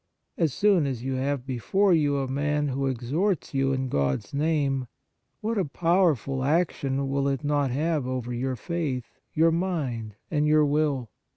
As soon as you have before you a man who exhorts you in God s name, what a powerful action will it not have over your faith, your mind and your will